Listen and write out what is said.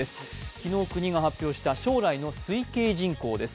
昨日、国が発表した将来の推計人口です。